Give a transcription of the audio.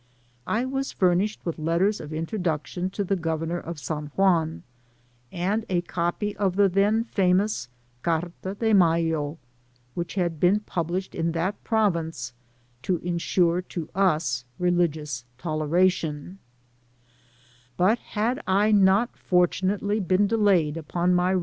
I was furnished with letters of introduction to the Gk>vemor of San Juan, and a copy of the then famous Carta de Mayo, which had been published in that province to insure to us religious toleration^ but had I not fortunately hem delayed upon my X 9 Digitized by LjOOQIC 308 COKCLUSIOX.